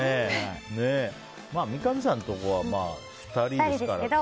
三上さんのところは２人ですけど。